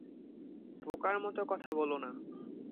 বোকার মত কথা বোলোনা।